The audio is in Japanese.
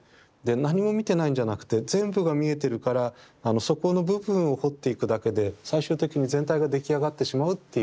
何も見てないんじゃなくて全部が見えてるからそこの部分を彫っていくだけで最終的に全体が出来上がってしまうっていう。